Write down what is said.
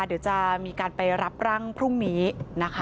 เดี๋ยวจะมีการไปรับร่างพรุ่งนี้นะคะ